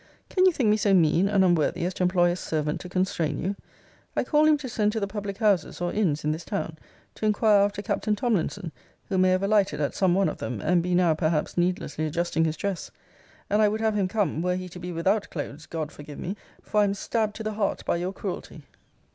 Can you think me so mean and unworthy as to employ a servant to constrain you? I call him to send to the public houses, or inns in this town, to inquire after Captain Tomlinson, who may have alighted at some one of them, and be now, perhaps, needlessly adjusting his dress; and I would have him come, were he to be without clothes, God forgive me! for I am stabbed to the heart by your cruelty.